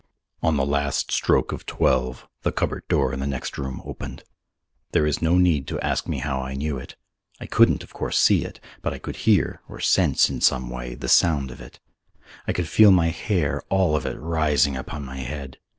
On the last stroke of twelve, the cupboard door in the next room opened. There is no need to ask me how I knew it. I couldn't, of course, see it, but I could hear, or sense in some way, the sound of it. I could feel my hair, all of it, rising upon my head.